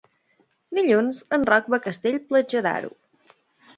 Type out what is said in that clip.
Dilluns en Roc va a Castell-Platja d'Aro.